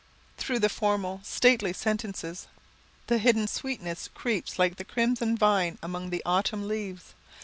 Through the formal, stately sentences the hidden sweetness creeps like the crimson vine upon the autumn leaves.